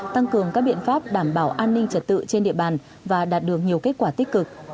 tăng cường các biện pháp đảm bảo an ninh trật tự trên địa bàn và đạt được nhiều kết quả tích cực